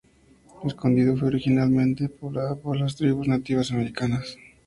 Escondido fue originalmente poblada por las tribus nativas americanas.